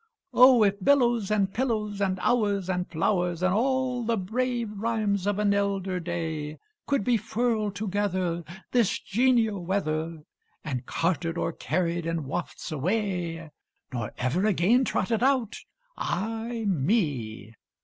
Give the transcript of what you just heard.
Oh, if billows and pillows and hours and flowers, And all the brave rhymes of an elder day, Could be furled together, this genial weather, And carted or carried in wafts away, Nor ever again trotted out ay me!